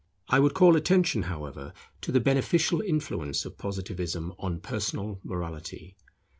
I would call attention, however, to the beneficial influence of Positivism on personal morality.